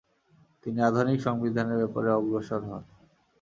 তিনি আধুনিক সংবিধানের ব্যাপারে অগ্রসর হন।